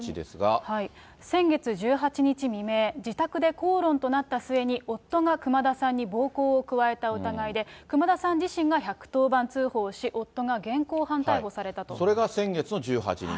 先月１８日未明、自宅で口論となった末に、夫が熊田さんに暴行を加えた疑いで、熊田さん自身が１１０番通報し、それが先月の１８日。